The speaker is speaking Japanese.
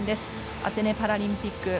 アテネパラリンピック